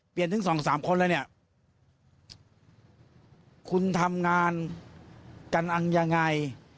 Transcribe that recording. ถึงสองสามคนแล้วเนี่ยคุณทำงานกันอันยังไง